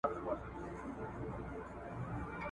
زه به یا ژوندی یمه یا مـ ړ یمه سالکه